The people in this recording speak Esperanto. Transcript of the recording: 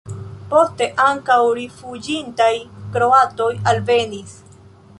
Poste ankaŭ rifuĝintaj kroatoj alvenis.